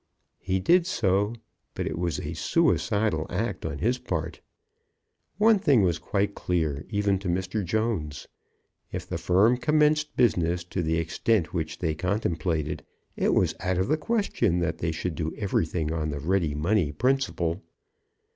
He did so; but it was a suicidal act on his part. One thing was quite clear, even to Mr. Jones. If the firm commenced business to the extent which they contemplated, it was out of the question that they should do everything on the ready money principle.